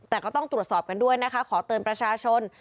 แต่ก็ต้องตรวจสอบกันด้วยนะคะขอเตือนประชาชน